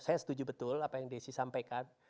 saya setuju betul apa yang desi sampaikan